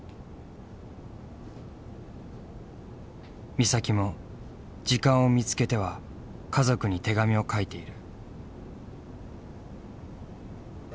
美咲も時間を見つけては家族に手紙を書いている。